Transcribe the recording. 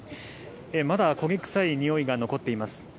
まだ焦げ臭いにおいが残っています